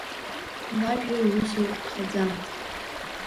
Лажәеи луси еиҟәҭхаӡамызт.